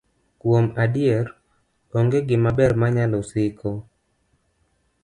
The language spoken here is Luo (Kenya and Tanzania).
Kuom adier, onge gimaber manyalo siko.